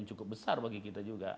yang cukup besar bagi kita juga